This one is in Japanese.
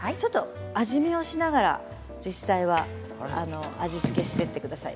味見をしながら実際は味付けをしていってください。